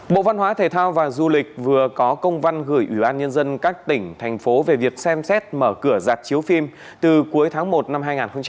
bộ văn hóa thể thao và du lịch vừa có công văn gửi ủy ban nhân dân các tỉnh thành phố về việc xem xét mở cửa dạp chiếu phim từ cuối tháng một năm hai nghìn hai mươi